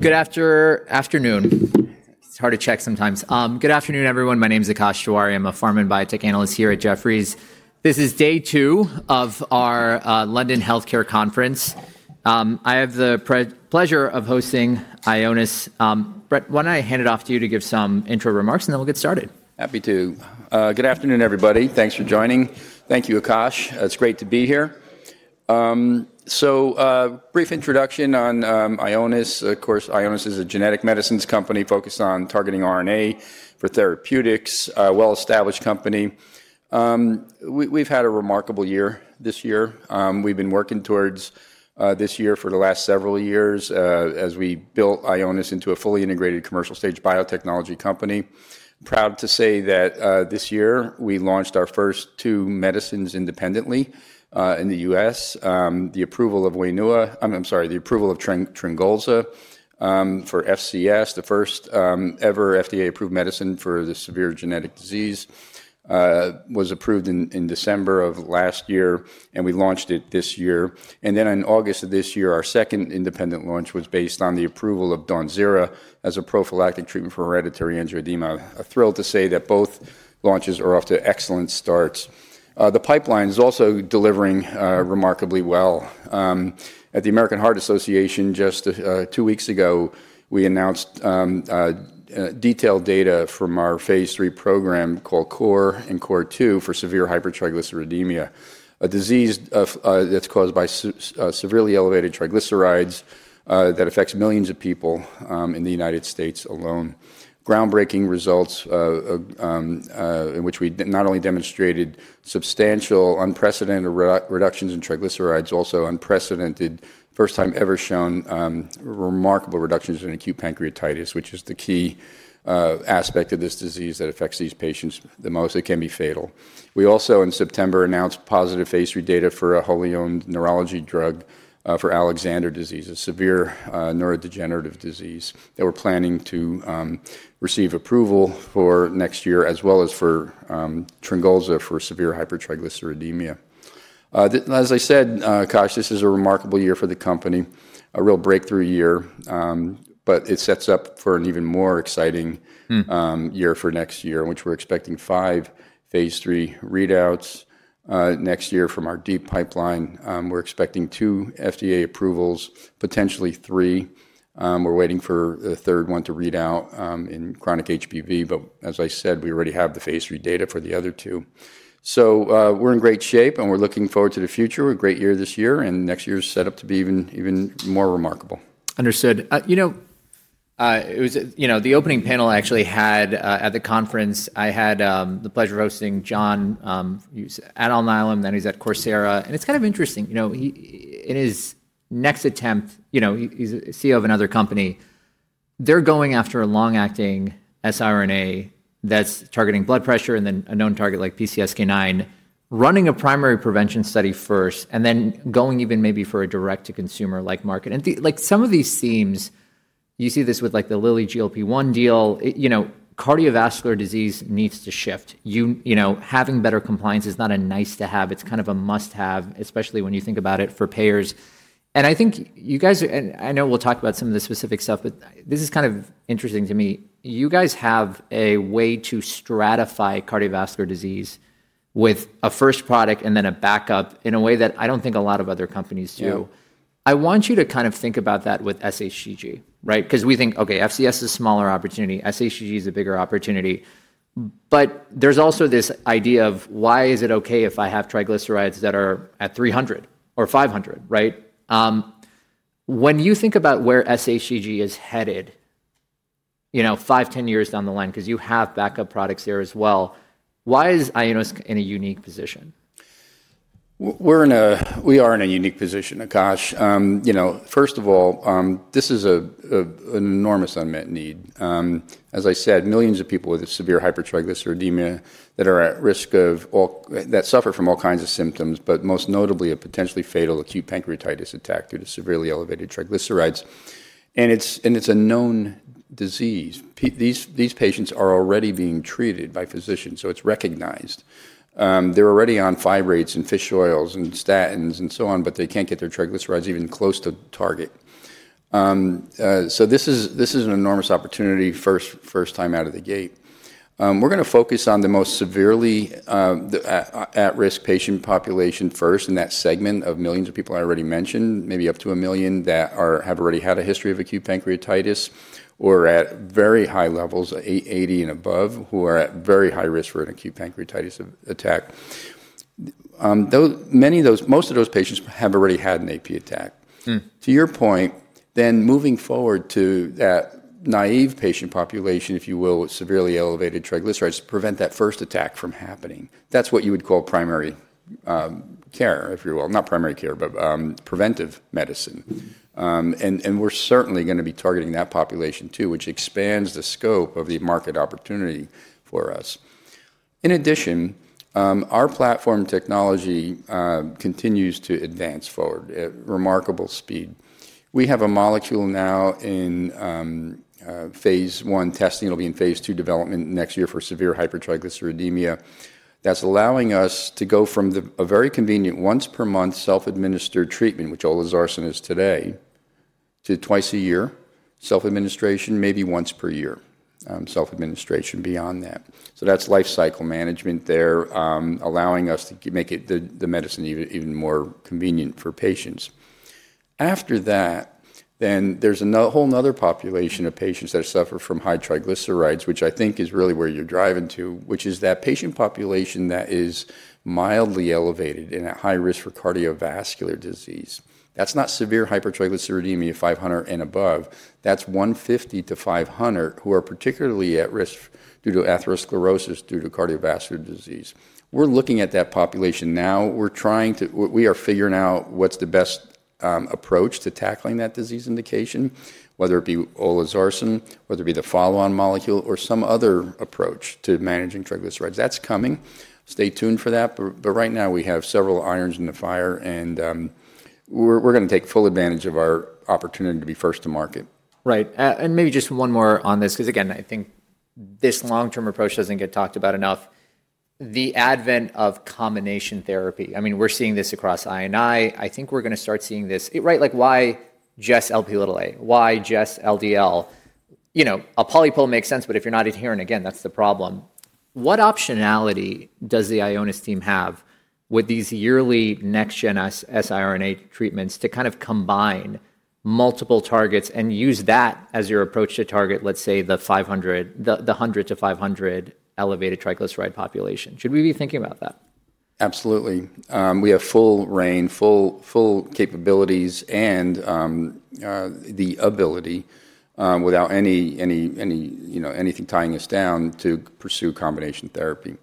Good afternoon. It's hard to check sometimes. Good afternoon, everyone. My name is Akash Tewari. I'm a Pharma and Biotech Analyst here at Jefferies. This is Day Two of our London Healthcare Conference. I have the pleasure of hosting Ionis. Brett, why don't I hand it off to you to give some intro remarks, and then we'll get started. Happy to. Good afternoon, everybody. Thanks for joining. Thank you, Akash. It's great to be here. Brief introduction on Ionis. Of course, Ionis is a genetic medicines company focused on targeting RNA for therapeutics, a well-established company. We've had a remarkable year this year. We've been working towards this year for the last several years as we built Ionis into a fully integrated commercial stage biotechnology company. Proud to say that this year we launched our first two medicines independently in the U.S., the approval of Wainua—I'm sorry, the approval of Tryngolza for FCS, the first ever FDA-approved medicine for the severe genetic disease, was approved in December of last year, and we launched it this year. In August of this year, our second independent launch was based on the approval of DAWNZERA as a prophylactic treatment for hereditary angioedema. Thrilled to say that both launches are off to excellent starts. The pipeline is also delivering remarkably well. At the American Heart Association, just two weeks ago, we announced detailed data from our phase III program called CORE and CORE2 for severe hypertriglyceridemia, a disease that's caused by severely elevated triglycerides that affects millions of people in the United States alone. Groundbreaking results in which we not only demonstrated substantial unprecedented reductions in triglycerides, also unprecedented, first time ever shown remarkable reductions in acute pancreatitis, which is the key aspect of this disease that affects these patients the most. It can be fatal. We also, in September, announced positive phase III data for a wholly owned neurology drug for Alexander disease, a severe neurodegenerative disease that we're planning to receive approval for next year, as well as for Tryngolza for severe hypertriglyceridemia. As I said, Akash, this is a remarkable year for the company, a real breakthrough year, but it sets up for an even more exciting year for next year, in which we're expecting five phase III readouts next year from our deep pipeline. We're expecting two FDA approvals, potentially three. We're waiting for the third one to read out in chronic HPV, but as I said, we already have the phase III data for the other two. So we're in great shape, and we're looking forward to the future. A great year this year, and next year's set up to be even more remarkable. Understood. You know, the opening panel actually had, at the conference, I had the pleasure of hosting John. He's at Onaiza. Then he's at Coursera. It is kind of interesting. In his next attempt, you know, he's CEO of another company. They're going after a long-acting sRNA that's targeting blood pressure and then a known target like PCSK9, running a primary prevention study first, and then going even maybe for a direct-to-consumer-like market. Some of these themes, you see this with the Lilly GLP-1 deal, cardiovascular disease needs to shift. Having better compliance is not a nice to have. It's kind of a must-have, especially when you think about it for payers. I think you guys, and I know we'll talk about some of the specific stuff, but this is kind of interesting to me. You guys have a way to stratify cardiovascular disease with a first product and then a backup in a way that I do not think a lot of other companies do. I want you to kind of think about that with SHGG, right? Because we think, okay, FCS is a smaller opportunity. SHGG is a bigger opportunity. There is also this idea of why is it okay if I have triglycerides that are at 300 or 500, right? When you think about where SHGG is headed, five, ten years down the line, because you have backup products there as well, why is Ionis in a unique position? We're in a unique position, Akash. First of all, this is an enormous unmet need. As I said, millions of people with severe hypertriglyceridemia that are at risk of all that suffer from all kinds of symptoms, but most notably a potentially fatal acute pancreatitis attack due to severely elevated triglycerides. It's a known disease. These patients are already being treated by physicians, so it's recognized. They're already on fibrates and fish oils and statins and so on, but they can't get their triglycerides even close to target. This is an enormous opportunity, first time out of the gate. We're going to focus on the most severely at-risk patient population first in that segment of millions of people I already mentioned, maybe up to a million that have already had a history of acute pancreatitis or at very high levels, 80 and above, who are at very high risk for an acute pancreatitis attack. Most of those patients have already had an AP attack. To your point, then moving forward to that naive patient population, if you will, with severely elevated triglycerides, prevent that first attack from happening. That's what you would call primary care, if you will, not primary care, but preventive medicine. We are certainly going to be targeting that population too, which expands the scope of the market opportunity for us. In addition, our platform technology continues to advance forward at remarkable speed. We have a molecule now in phase I testing. It'll be in phase II development next year for severe hypertriglyceridemia. That's allowing us to go from a very convenient once-per-month self-administered treatment, which olezarsen is today, to twice a year self-administration, maybe once per year self-administration beyond that. That's life cycle management there, allowing us to make the medicine even more convenient for patients. After that, there's a whole other population of patients that suffer from high triglycerides, which I think is really where you're driving to, which is that patient population that is mildly elevated and at high risk for cardiovascular disease. That's not severe hypertriglyceridemia 500 and above. That's 150-500 who are particularly at risk due to atherosclerosis due to cardiovascular disease. We're looking at that population now. We're trying to, we are figuring out what's the best approach to tackling that disease indication, whether it be olezarsen, whether it be the follow-on molecule, or some other approach to managing triglycerides. That's coming. Stay tuned for that. Right now, we have several irons in the fire, and we're going to take full advantage of our opportunity to be first to market. Right. Maybe just one more on this, because again, I think this long-term approach does not get talked about enough, the advent of combination therapy. I mean, we are seeing this across Ionis. I think we are going to start seeing this, right? Like why just LPLA? Why just LDL? You know, a polypool makes sense, but if you are not adhering, again, that is the problem. What optionality does the Ionis team have with these yearly next-gen sRNA treatments to kind of combine multiple targets and use that as your approach to target, let's say, the 100-500 elevated triglyceride population? Should we be thinking about that? Absolutely. We have full rein, full capabilities, and the ability without anything tying us down to pursue combination therapy.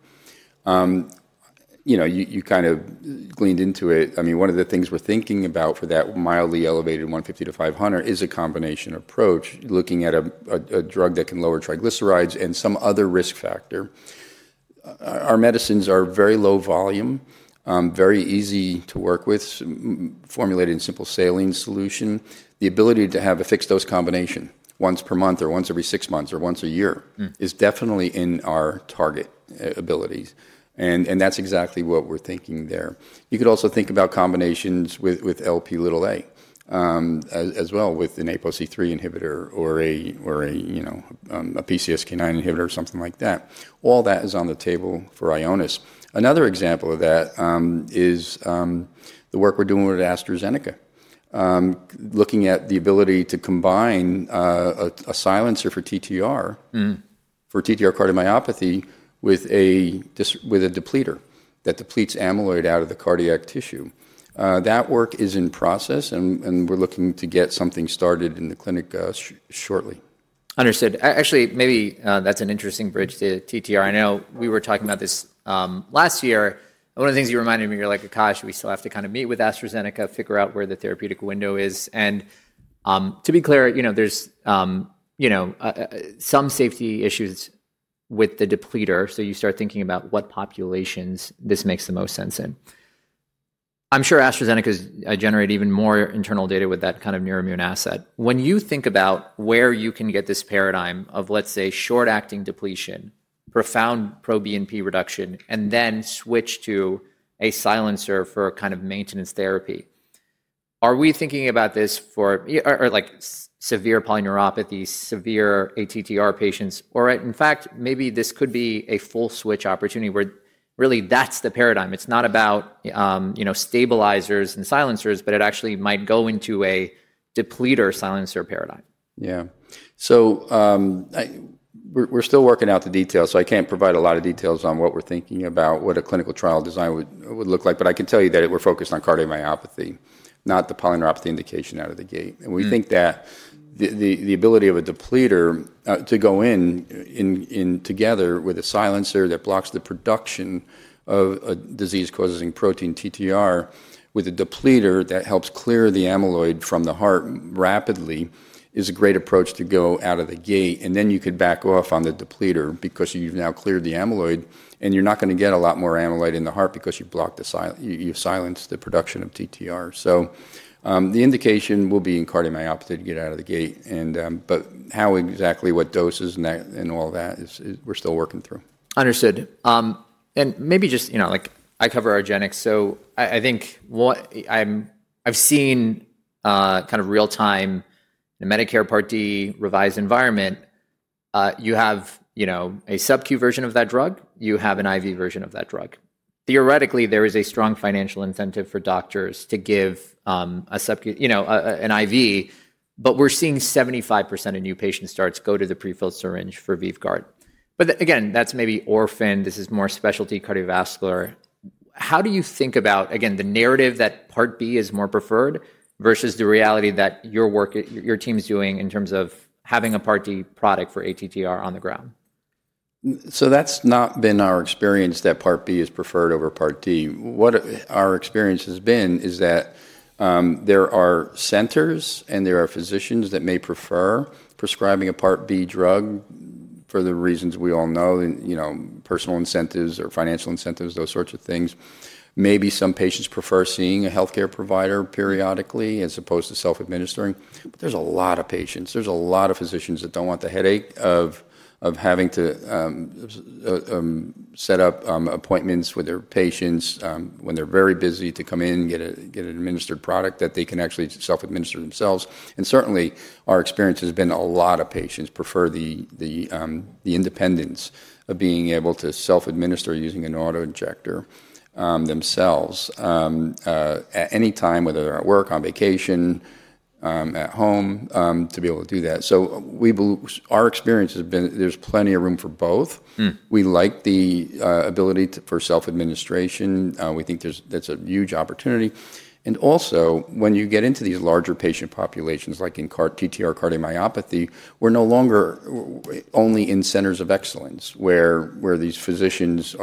You kind of gleaned into it. I mean, one of the things we're thinking about for that mildly elevated 150-500 is a combination approach, looking at a drug that can lower triglycerides and some other risk factor. Our medicines are very low volume, very easy to work with, formulated in simple saline solution. The ability to have a fixed dose combination once per month or once every six months or once a year is definitely in our target abilities. That's exactly what we're thinking there. You could also think about combinations with LPLA as well with an APOC3 inhibitor or a PCSK9 inhibitor or something like that. All that is on the table for Ionis. Another example of that is the work we're doing with AstraZeneca, looking at the ability to combine a silencer for TTR, for TTR cardiomyopathy, with a depleter that depletes amyloid out of the cardiac tissue. That work is in process, and we're looking to get something started in the clinic shortly. Understood. Actually, maybe that's an interesting bridge to TTR. I know we were talking about this last year. One of the things you reminded me, you're like, "Akash, we still have to kind of meet with AstraZeneca, figure out where the therapeutic window is." To be clear, there's some safety issues with the depleter. You start thinking about what populations this makes the most sense in. I'm sure AstraZeneca has generated even more internal data with that kind of near immune asset. When you think about where you can get this paradigm of, let's say, short-acting depletion, profound pro-BNP reduction, and then switch to a silencer for kind of maintenance therapy, are we thinking about this for severe polyneuropathy, severe ATTR patients, or in fact, maybe this could be a full switch opportunity where really that's the paradigm. It's not about stabilizers and silencers, but it actually might go into a depleter silencer paradigm. Yeah. So we're still working out the details, so I can't provide a lot of details on what we're thinking about, what a clinical trial design would look like. I can tell you that we're focused on cardiomyopathy, not the polyneuropathy indication out of the gate. We think that the ability of a depleter to go in together with a silencer that blocks the production of a disease-causing protein, TTR, with a depleter that helps clear the amyloid from the heart rapidly is a great approach to go out of the gate. You could back off on the depleter because you've now cleared the amyloid, and you're not going to get a lot more amyloid in the heart because you've silenced the production of TTR. The indication will be in cardiomyopathy to get out of the gate. How exactly, what doses and all that, we're still working through. Understood. Maybe just, I covered argenx. I think I've seen kind of real-time in the Medicare Part D revised environment, you have a subQ version of that drug, you have an IV version of that drug. Theoretically, there is a strong financial incentive for doctors to give an IV, but we're seeing 75% of new patient starts go to the prefilled syringe for VYVGART. Again, that's maybe orphaned. This is more specialty cardiovascular. How do you think about, again, the narrative that Part B is more preferred versus the reality that your team is doing in terms of having a Part D product for ATTR on the ground? That's not been our experience that Part B is preferred over Part D. What our experience has been is that there are centers and there are physicians that may prefer prescribing a Part B drug for the reasons we all know, personal incentives or financial incentives, those sorts of things. Maybe some patients prefer seeing a healthcare provider periodically as opposed to self-administering. There are a lot of patients. There are a lot of physicians that do not want the headache of having to set up appointments with their patients when they're very busy to come in, get an administered product that they can actually self-administer themselves. Certainly, our experience has been a lot of patients prefer the independence of being able to self-administer using an autoinjector themselves at any time, whether they're at work, on vacation, at home, to be able to do that. Our experience has been there's plenty of room for both. We like the ability for self-administration. We think that's a huge opportunity. Also, when you get into these larger patient populations, like in TTR cardiomyopathy, we're no longer only in centers of excellence where these physicians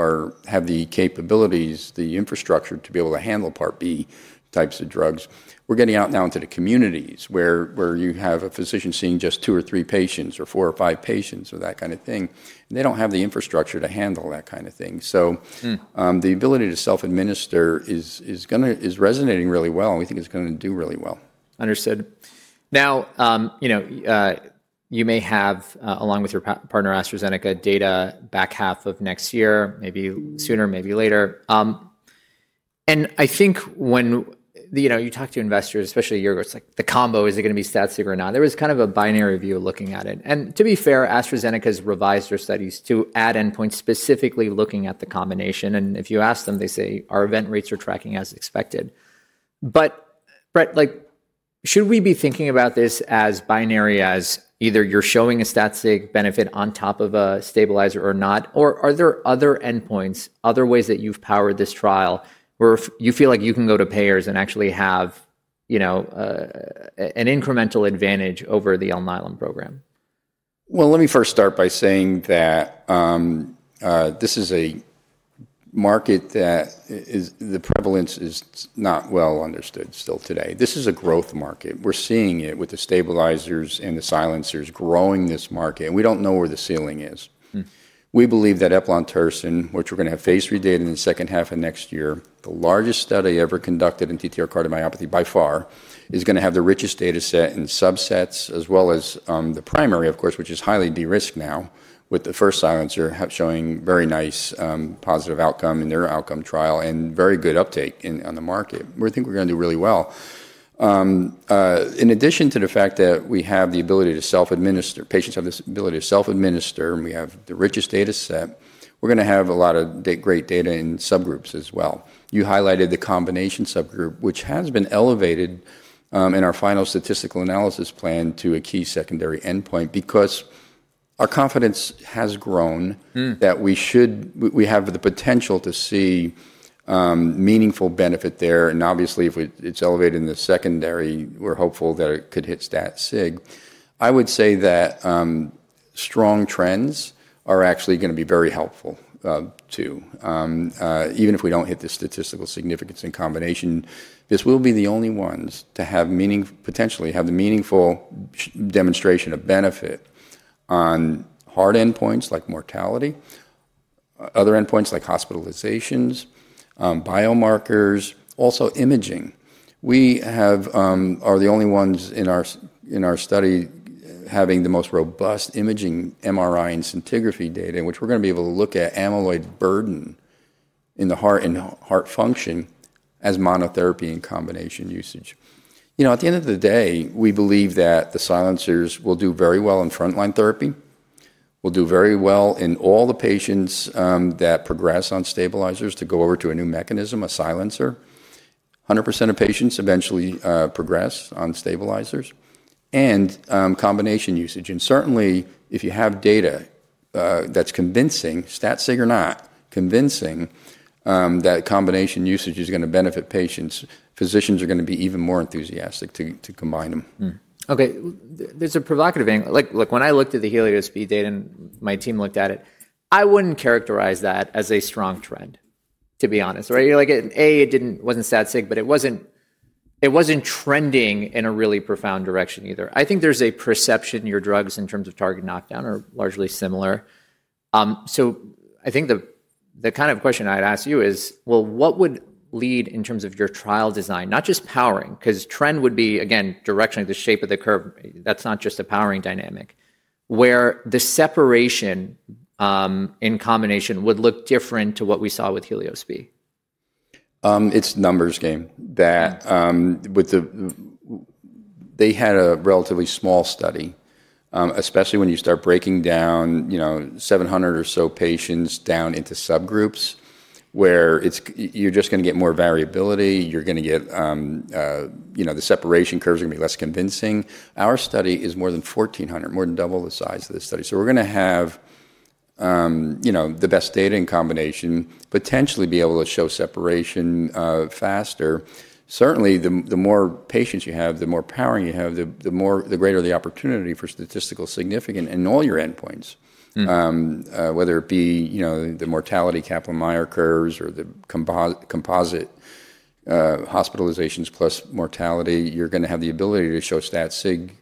have the capabilities, the infrastructure to be able to handle Part B types of drugs. We're getting out now into the communities where you have a physician seeing just two or three patients or four or five patients or that kind of thing. They don't have the infrastructure to handle that kind of thing. The ability to self-administer is resonating really well. We think it's going to do really well. Understood. Now, you may have, along with your partner AstraZeneca, data back half of next year, maybe sooner, maybe later. I think when you talk to investors, especially a year ago, it's like the combo, is it going to be stat-sig or not? There was kind of a binary view looking at it. To be fair, AstraZeneca has revised their studies to add endpoints specifically looking at the combination. If you ask them, they say, "Our event rates are tracking as expected." Brett, should we be thinking about this as binary as either you're showing a stat-sig benefit on top of a stabilizer or not? Are there other endpoints, other ways that you've powered this trial where you feel like you can go to payers and actually have an incremental advantage over the Ellen Island program? Let me first start by saying that this is a market that the prevalence is not well understood still today. This is a growth market. We're seeing it with the stabilizers and the silencers growing this market. We don't know where the ceiling is. We believe that Eplontersen, which we're going to have phase III data in the second half of next year, the largest study ever conducted in TTR cardiomyopathy by far, is going to have the richest data set in subsets, as well as the primary, of course, which is highly de-risked now, with the first silencer showing very nice positive outcome in their outcome trial and very good uptake on the market. We think we're going to do really well. In addition to the fact that we have the ability to self-administer, patients have this ability to self-administer, and we have the richest data set, we're going to have a lot of great data in subgroups as well. You highlighted the combination subgroup, which has been elevated in our final statistical analysis plan to a key secondary endpoint because our confidence has grown that we have the potential to see meaningful benefit there. Obviously, if it's elevated in the secondary, we're hopeful that it could hit stat-sig. I would say that strong trends are actually going to be very helpful too. Even if we don't hit the statistical significance in combination, this will be the only ones to potentially have the meaningful demonstration of benefit on hard endpoints like mortality, other endpoints like hospitalizations, biomarkers, also imaging. We are the only ones in our study having the most robust imaging MRI and scintigraphy data, which we're going to be able to look at amyloid burden in the heart and heart function as monotherapy in combination usage. You know, at the end of the day, we believe that the silencers will do very well in frontline therapy. We'll do very well in all the patients that progress on stabilizers to go over to a new mechanism, a silencer. 100% of patients eventually progress on stabilizers and combination usage. And certainly, if you have data that's convincing, stat-sig or not, convincing that combination usage is going to benefit patients, physicians are going to be even more enthusiastic to combine them. Okay. There's a provocative angle. Like when I looked at the HELIOS-B data and my team looked at it, I wouldn't characterize that as a strong trend, to be honest. Like, A, it wasn't stat-sig, but it wasn't trending in a really profound direction either. I think there's a perception in your drugs in terms of target knockdown are largely similar. I think the kind of question I'd ask you is, what would lead in terms of your trial design, not just powering, because trend would be, again, direction, the shape of the curve. That's not just a powering dynamic where the separation in combination would look different to what we saw with HELIOS-B? It's a numbers game that they had a relatively small study, especially when you start breaking down 700 or so patients down into subgroups where you're just going to get more variability. You're going to get the separation curves are going to be less convincing. Our study is more than 1,400, more than double the size of this study. So we're going to have the best data in combination, potentially be able to show separation faster. Certainly, the more patients you have, the more powering you have, the greater the opportunity for statistical significance in all your endpoints, whether it be the mortality Kaplan-Meier curves or the composite hospitalizations plus mortality. You're going to have the ability to show stat-sig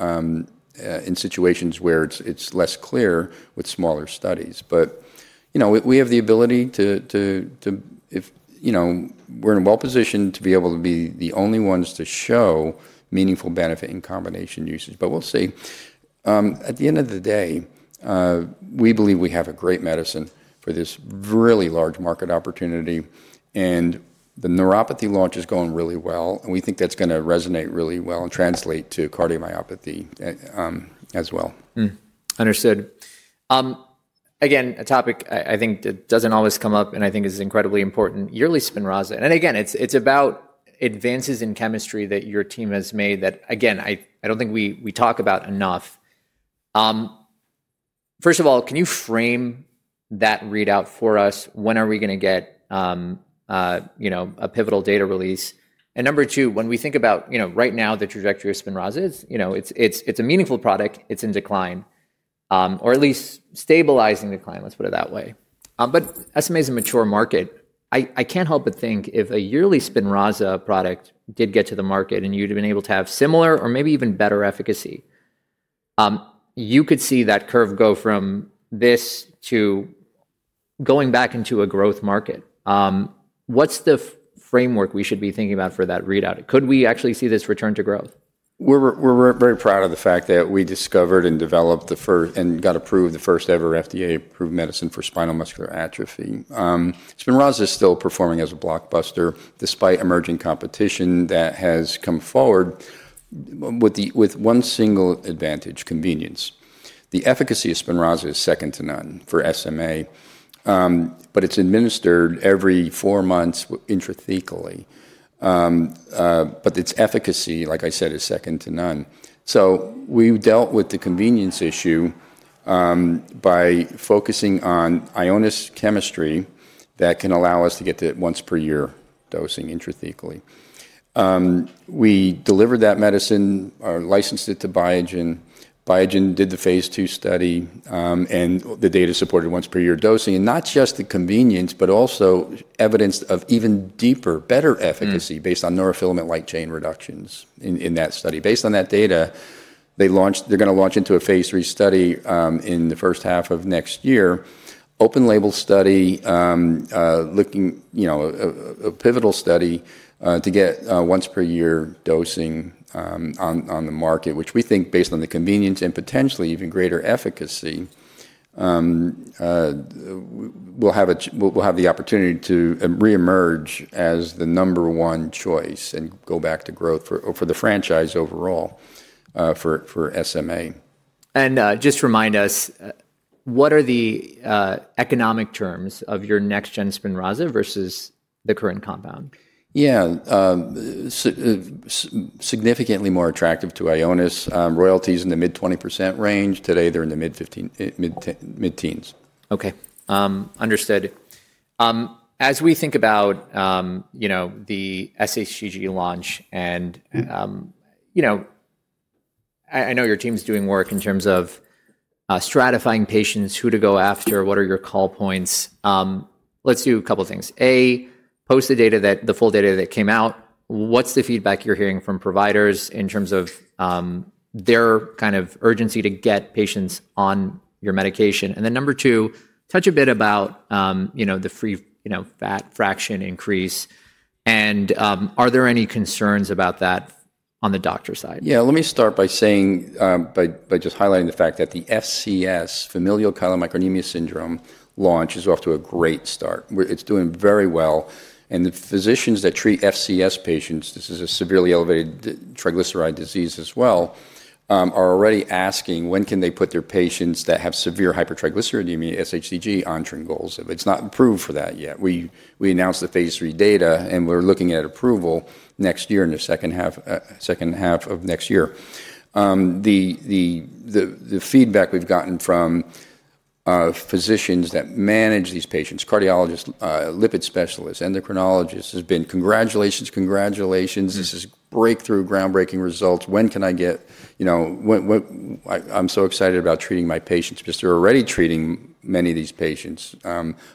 in situations where it's less clear with smaller studies. We have the ability to, if we're in a well-positioned to be able to be the only ones to show meaningful benefit in combination usage. We'll see. At the end of the day, we believe we have a great medicine for this really large market opportunity. The neuropathy launch is going really well. We think that's going to resonate really well and translate to cardiomyopathy as well. Understood. Again, a topic I think that does not always come up and I think is incredibly important, yearly SPINRAZA. Again, it is about advances in chemistry that your team has made that, again, I do not think we talk about enough. First of all, can you frame that readout for us? When are we going to get a pivotal data release? Number two, when we think about right now the trajectory of SPINRAZA, it is a meaningful product. It is in decline, or at least stabilizing decline, let us put it that way. SMA is a mature market. I cannot help but think if a yearly SPINRAZA product did get to the market and you had been able to have similar or maybe even better efficacy, you could see that curve go from this to going back into a growth market. What is the framework we should be thinking about for that readout? Could we actually see this return to growth? We're very proud of the fact that we discovered and developed and got approved the first ever FDA-approved medicine for spinal muscular atrophy. SPINRAZA is still performing as a blockbuster despite emerging competition that has come forward with one single advantage, convenience. The efficacy of SPINRAZA is second to none for SMA, but it's administered every four months intrathecally. Its efficacy, like I said, is second to none. We've dealt with the convenience issue by focusing on Ionis chemistry that can allow us to get to once-per-year dosing intrathecally. We delivered that medicine, licensed it to Biogen. Biogen did the phase II study, and the data supported once-per-year dosing, and not just the convenience, but also evidence of even deeper, better efficacy based on neurofilament-like chain reductions in that study. Based on that data, they're going to launch into a phase II study in the first half of next year, open-label study, a pivotal study to get once-per-year dosing on the market, which we think based on the convenience and potentially even greater efficacy, we'll have the opportunity to reemerge as the number one choice and go back to growth for the franchise overall for SMA. Just remind us, what are the economic terms of your next-gen SPINRAZA versus the current compound? Yeah. Significantly more attractive to Ionis. Royalties in the mid 20% range. Today, they're in the mid teens. Okay. Understood. As we think about the SHGG launch, and I know your team's doing work in terms of stratifying patients, who to go after, what are your call points. Let's do a couple of things. A, post the full data that came out. What's the feedback you're hearing from providers in terms of their kind of urgency to get patients on your medication? Number two, touch a bit about the free fat fraction increase. Are there any concerns about that on the doctor's side? Yeah. Let me start by just highlighting the fact that the FCS, familial chylomicronemia syndrome, launch is off to a great start. It's doing very well. The physicians that treat FCS patients, this is a severely elevated triglyceride disease as well, are already asking when can they put their patients that have severe hypertriglyceridemia, SHGG, on Tryngolza. It's not approved for that yet. We announced the phase III data, and we're looking at approval next year in the second half of next year. The feedback we've gotten from physicians that manage these patients, cardiologists, lipid specialists, endocrinologists, has been, "Congratulations, congratulations. This is breakthrough, groundbreaking results. When can I get? I'm so excited about treating my patients." Because they're already treating many of these patients.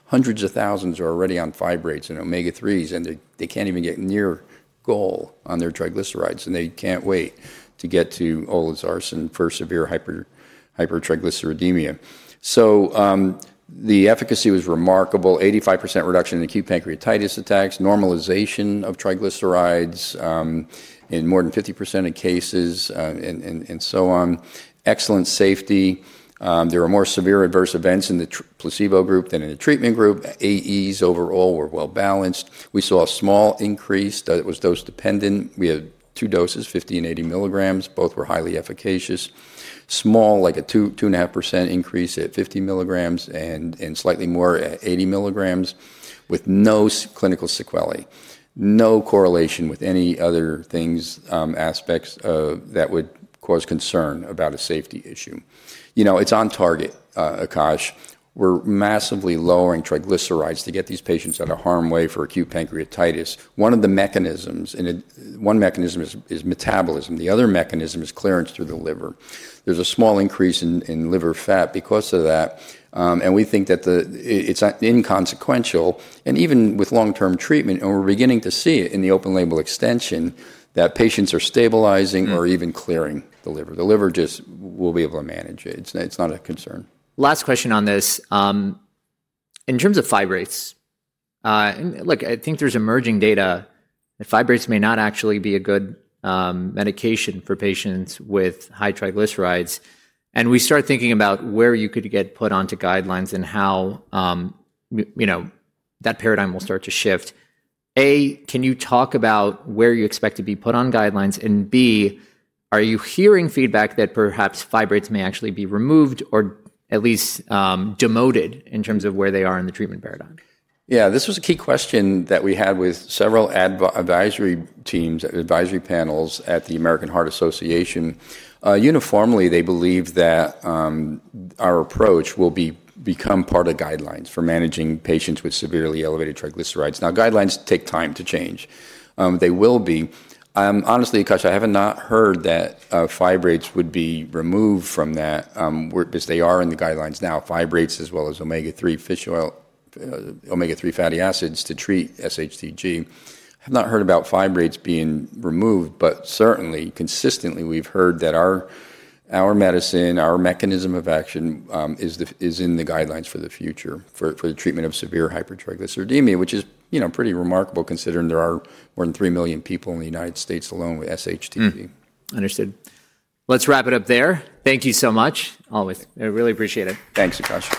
Hundreds of thousands are already on fibrates and omega-3s, and they can't even get near goal on their triglycerides. They can't wait to get to olezarsen for severe hypertriglyceridemia. The efficacy was remarkable, 85% reduction in acute pancreatitis attacks, normalization of triglycerides in more than 50% of cases, and so on. Excellent safety. There were more severe adverse events in the placebo group than in the treatment group. AEs overall were well balanced. We saw a small increase that was dose-dependent. We had two doses, 50 mg and 80 mg. Both were highly efficacious. Small, like a 2.5% increase at 50 mg and slightly more at 80 mg with no clinical sequelae. No correlation with any other things, aspects that would cause concern about a safety issue. It's on target, Akash. We're massively lowering triglycerides to get these patients out of harm way for acute pancreatitis. One of the mechanisms, and one mechanism is metabolism. The other mechanism is clearance through the liver. There's a small increase in liver fat because of that. We think that it's inconsequential. Even with long-term treatment, and we're beginning to see it in the open-label extension, patients are stabilizing or even clearing the liver. The liver just will be able to manage it. It's not a concern. Last question on this. In terms of fibrates, look, I think there's emerging data that fibrates may not actually be a good medication for patients with high triglycerides. We start thinking about where you could get put onto guidelines and how that paradigm will start to shift. A, can you talk about where you expect to be put on guidelines? B, are you hearing feedback that perhaps fibrates may actually be removed or at least demoted in terms of where they are in the treatment paradigm? Yeah. This was a key question that we had with several advisory teams, advisory panels at the American Heart Association. Uniformly, they believe that our approach will become part of guidelines for managing patients with severely elevated triglycerides. Now, guidelines take time to change. They will be. Honestly, Akash, I have not heard that fibrates would be removed from that because they are in the guidelines now, fibrates as well as omega-3 fish oil, omega-3 fatty acids to treat SHGG. I have not heard about fibrates being removed, but certainly, consistently, we've heard that our medicine, our mechanism of action is in the guidelines for the future for the treatment of severe hypertriglyceridemia, which is pretty remarkable considering there are more than 3 million people in the United States alone with SHGG. Understood. Let's wrap it up there. Thank you so much. I really appreciate it. Thanks, Akash.